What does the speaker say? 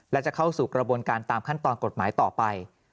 และจะเข้าสู่กระบวนการตามขั้นตอนกฎหมายต่อไป